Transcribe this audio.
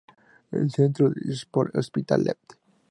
El Centre d'Esports l'Hospitalet.